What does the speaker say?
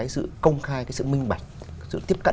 sự công khai sự minh bạch sự tiếp cận